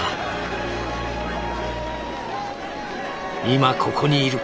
「今ここにいる」。